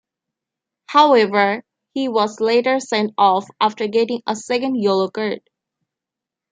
However, he was later sent off after getting a second yellow card.